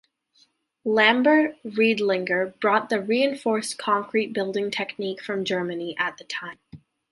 Lambert Riedlinger brought the reinforced concrete building technique from Germany at the time.